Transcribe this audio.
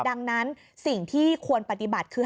ดังนั้นสิ่งที่ควรปฏิบัติคือ